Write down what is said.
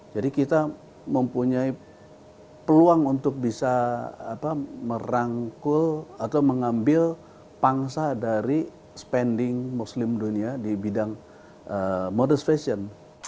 jadi kita mempunyai peluang untuk bisa merangkul atau mengambil pangsa dari spending muslim dunia di bidang modest fashion